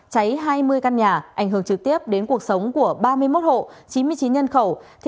cháy hai mươi căn nhà ảnh hưởng trực tiếp đến cuộc sống của ba mươi một hộ chín mươi chín nhân khẩu